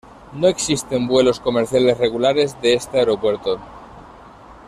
No existen vuelos comerciales regulares de este aeropuerto